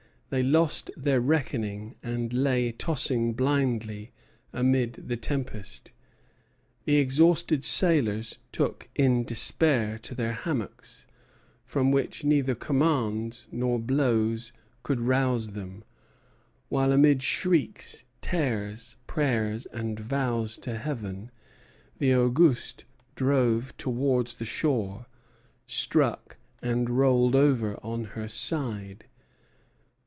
They lost their reckoning and lay tossing blindly amid the tempest. The exhausted sailors took, in despair, to their hammocks, from which neither commands nor blows could rouse them, while amid shrieks, tears, prayers, and vows to Heaven, the "Auguste" drove towards the shore, struck, and rolled over on her side.